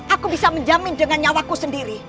aku bisa menjamin dengan nyawaku sendiri